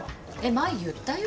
前言ったよ。